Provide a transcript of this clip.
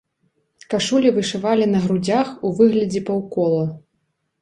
Кашулі вышывалі на грудзях у выглядзе паўкола.